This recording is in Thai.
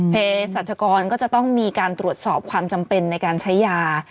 เพศรัชกรก็จะต้องมีการตรวจสอบความจำเป็นในการใช้ยา